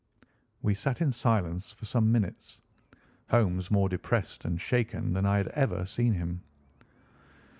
'" We sat in silence for some minutes, Holmes more depressed and shaken than I had ever seen him.